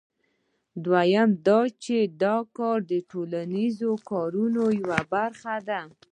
دویم دا چې دا کار د ټولنیزو کارونو یوه برخه ده